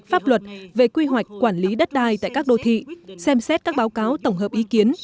pháp luật về quy hoạch quản lý đất đai tại các đô thị xem xét các báo cáo tổng hợp ý kiến